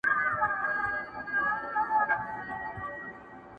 د کيسې دردناک اثر لا هم ذهن کي پاتې,